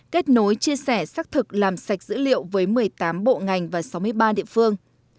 kết nối chia sẻ xác thực làm sạch dữ liệu với một mươi tám bộ ngành và sáu mươi ba địa phương